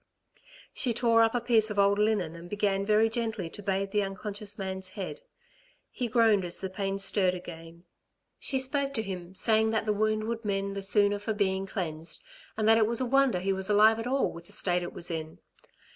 She tore up a piece of old linen and began very gently to bathe the unconscious man's head. He groaned as the pain stirred again. She spoke to him, saying that the wound would mend the sooner for being cleansed, and that it was a wonder he was alive at all with the state it was in.